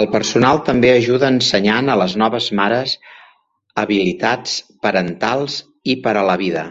El personal també ajuda ensenyant a les noves mares habilitats parentals i per a la vida.